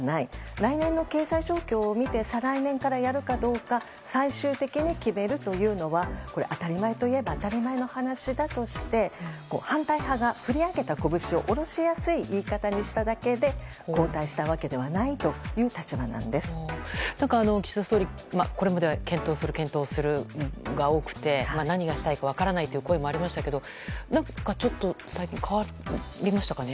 来年の経済状況を見て再来年からやるかどうか最終的に決めるというのは当たり前といえば当たり前の話だとして反対派が振り上げた拳をおろしやすい言い方にしただけで後退したわけではないという岸田総理、これまでは検討するが多くて何がしたいか分からないという声もありましたが何かちょっと変わりましたかね？